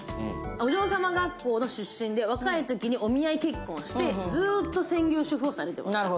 お嬢様学校の出身で、若いときにお見合い結婚して、ずーっと専業主婦をされてました。